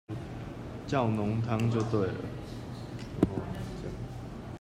叫濃湯就對了